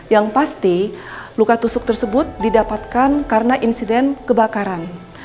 yang pasti luka tusuk tersebut didapatkan karena insiden kebakaran